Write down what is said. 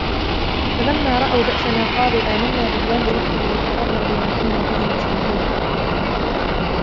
فَلَمَّا رَأَوْا بَأْسَنَا قَالُوا آمَنَّا بِاللَّهِ وَحْدَهُ وَكَفَرْنَا بِمَا كُنَّا بِهِ مُشْرِكِينَ